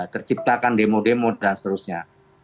terciptakan demo demo dan seterusnya